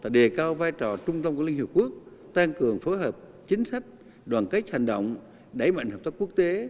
đề cao vai trò trung tâm của liên hiệp quốc tăng cường phối hợp chính sách đoàn kết hành động đẩy mạnh hợp tác quốc tế